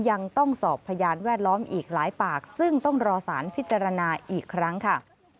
ยังต้องสอบพยานแวดล้อมอีกหลายปากซึ่งต้องรอสารพิจารณาอีกครั้งค่ะ